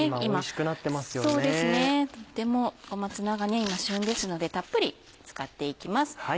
とっても小松菜が今旬ですのでたっぷり使っていきます。